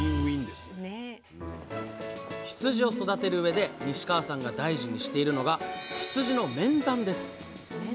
羊を育てるうえで西川さんが大事にしているのが羊の面談です。